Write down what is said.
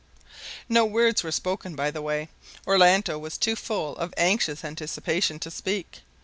No words were spoken by the way. Orlando was too full of anxious anticipation to speak.